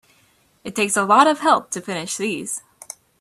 It takes a lot of help to finish these.